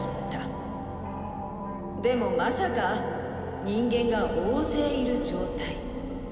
でもまさか人間が大勢いる状態